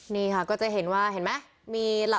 นี่ค่ะก็จะเห็นว่าเห็นไหม